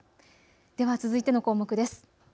では続いての項目です。